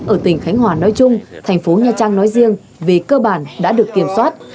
ở tỉnh khánh hòa nói chung thành phố nha trang nói riêng về cơ bản đã được kiểm soát